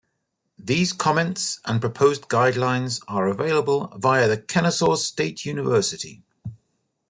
These comments and the proposed guidelines are available via the Kennesaw State University.